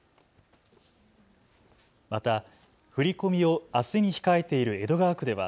また振り込みをあすに控えている江戸川区では。